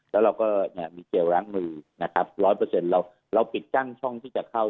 แล้วเราก็มีเกลียวล้างมือ๑๐๐เราปิดกั้นช่องที่จะเข้า